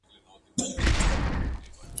چي له هغه څخه د مځکي کښت ته واک ور په برخه کېږي